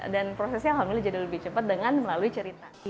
dan prosesnya alhamdulillah jadi lebih cepet dengan melalui cerita